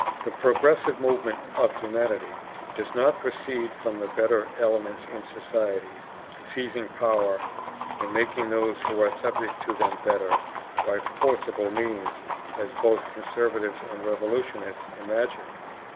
The progressive movement of humanity does not proceed from the better elements in society seizing power and making those who are subject to them better, by forcible means, as both conservatives and revolutionists imagine.